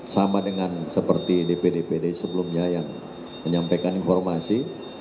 sama dengan seperti dpd pd sebelumnya yang menyampaikan informasi